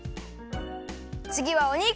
つぎはお肉！